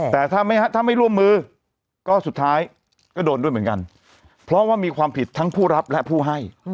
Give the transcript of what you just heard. แต่ถ้าไม่ร่วมมือก็สุดท้ายก็โดนด้วยเหมือนกันเพราะว่ามีความผิดทั้งผู้รับและผู้ให้